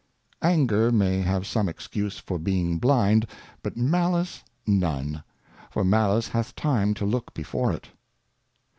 Anger may have some Excuse for being blind, but Malice none : for Malice hath time to look before it.